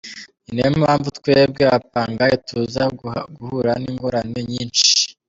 Ni na yo mpamvu twebwe abapangayi tuza guhura n’ingorane nyinshi.